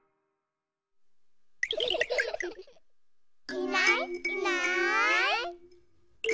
いないいない。